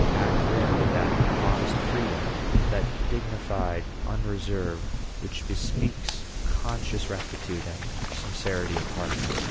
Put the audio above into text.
Act, then, with that modest freedom, that dignified unreserve, which bespeak conscious rectitude and sincerity of heart.